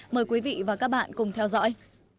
mời quý vị và các bạn cùng theo dõi